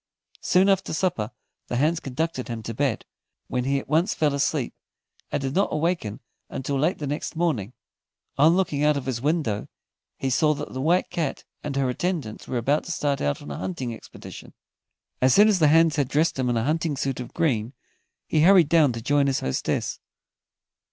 Soon after supper, the hands conducted him to bed, when he at once fell fast asleep, and did not awaken until late the next morning. On looking out of his window, he saw that the White Cat and her attendants were about to start out on a hunting expedition. As soon as the hands had dressed him in a hunting suit of green, he hurried down to join his hostess.